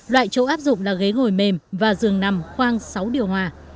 loại chỗ áp dụng là ghế ngồi mềm và giường nằm khoang sáu điều hòa